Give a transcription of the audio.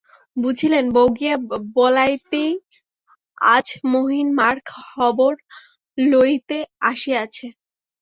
বুঝিলেন, বউ গিয়া বলাতেই আজ মহিন মার খবর লইতে আসিয়াছে।